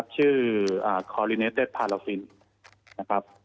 ชื่อคอลิเนสเต็ดพาราฟินนะครับ